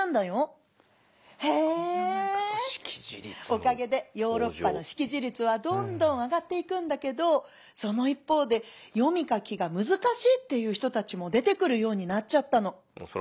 「おかげでヨーロッパの識字率はどんどん上がっていくんだけどその一方で読み書きが難しいっていう人たちも出てくるようになっちゃったの。